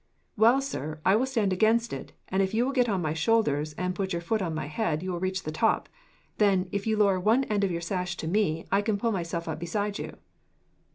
"Well, sir, I will stand against it, and if you will get on to my shoulders and put your foot on my head, you will reach the top. Then, if you lower one end of your sash to me, I can pull myself up beside you."